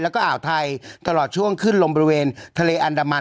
แล้วก็อ่าวไทยตลอดช่วงขึ้นลมบริเวณทะเลอันดามัน